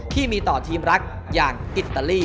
ที่มีต่อทีมรักอย่างอิตาลี